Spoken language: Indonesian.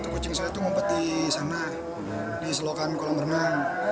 kucing saya itu ngumpet di sana di selokan kolam renang